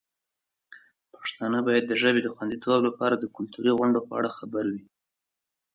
پښتانه باید د ژبې د خوندیتوب لپاره د کلتوري غونډو په اړه خبر وي.